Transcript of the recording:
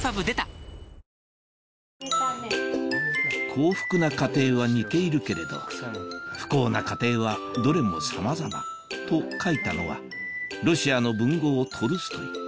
幸福な家庭は似ているけれど不幸な家庭はどれもさまざまと書いたのはロシアの文豪トルストイどう思う？